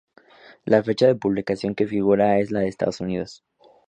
La fecha de publicación que figura es la de Estados Unidos.